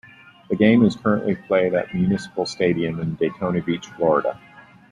The game is currently played at Municipal Stadium in Daytona Beach, Florida.